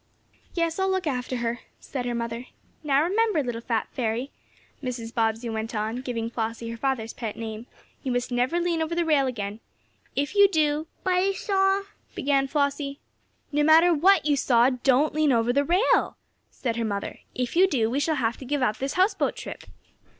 "Yes, I'll look after her," said her mother "Now remember, little fat fairy," Mrs. Bobbsey went on, giving Flossie her father's pet name, "you must never lean over the rail again. If you do " "But I saw " began Flossie. "No matter what you saw don't lean over the rail!" said her mother. "If you do, we shall have to give up this houseboat trip."